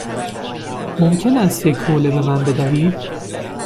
ممکن است یک حوله به من بدهید؟